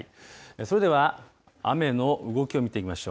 それでは、雨の動きを見てみましょう。